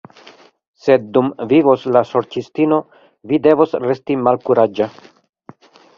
Sed dum vivos la Sorĉistino vi devos resti malkuraĝa.